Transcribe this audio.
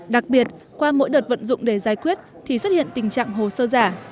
đặc biệt qua mỗi đợt vận dụng để giải quyết thì xuất hiện tình trạng hồ sơ giả